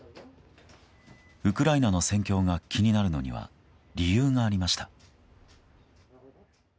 ウクライナの戦況が気になるのには理由がありました。